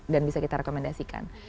dan bisa kita rekomendasikan